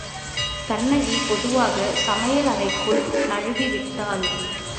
கண்ணகி மெதுவாகச் சமையல் அறைக்குள் நழுவிவிட்டாள்.